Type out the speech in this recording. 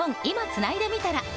つないでみたら。